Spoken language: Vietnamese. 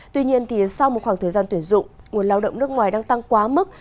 tuy nhiên sau một khoảng thời gian tuyển dụng nguồn lao động nước ngoài đang tăng quá mức